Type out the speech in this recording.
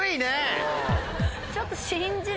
ちょっと。